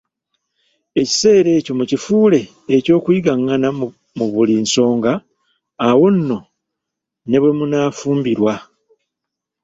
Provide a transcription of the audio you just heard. Ekiseera ekyo mukifuule eky'okuyigaŋŋana mu buli nsonga, awo nno ne bwemunaafumbirwa